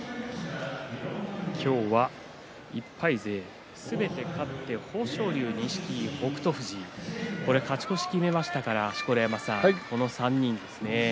今日は１敗勢すべて勝って豊昇龍、錦木、北勝富士勝ち越しを決めましたからこの３人ですね